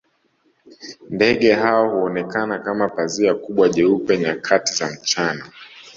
Ndege hao huonekana kama pazia kubwa jeupe nyakati za mchana